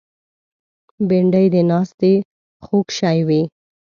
بېنډۍ د ناستې خوږ شی وي